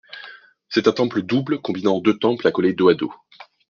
C’est un temple double, combinant deux temples accolés dos à dos.